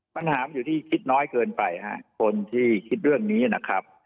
ปัญหาอยู่ที่คิดน้อยเกินไปฮะคนที่คิดเรื่องนี้นะครับ